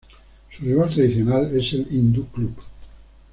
Su rival tradicional es el Hindú Club.